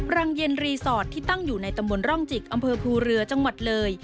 รังเย็นรีสอร์ทที่ตั้งอยู่ในตำบลร่องจิกอำเภอภูเรือจังหวัดเลย